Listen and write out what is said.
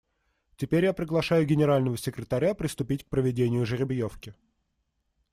Теперь я приглашаю Генерального секретаря приступить к проведению жеребьевки.